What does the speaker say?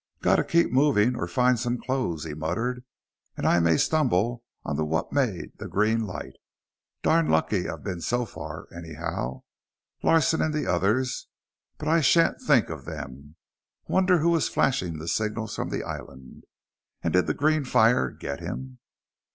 "Got to keep moving, or find some clothes," he muttered. "And I may stumble onto what made the green light. Darn lucky I've been so far, anyhow. Larsen and the others but I shan't think of them. Wonder who was flashing the signals from the island. And did the green fire get him?"